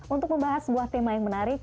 untuk membahas sebuah tema yang menarik